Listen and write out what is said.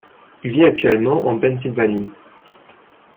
Il vit actuellement en Pennsylvanie.